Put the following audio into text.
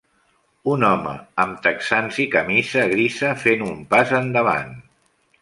Un home amb texans i camisa grisa fent un pas endavant